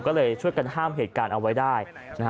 ก็เลยช่วยกันห้ามเหตุการณ์เอาไว้ได้